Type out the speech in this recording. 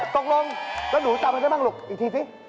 ตกลงแล้วหนูจำได้หลังหลุกอีกทีสิ